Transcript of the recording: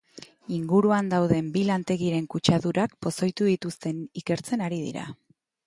Inguruan dauden bi lantegiren kutsadurak pozoitu dituzten ikertzen ari dira.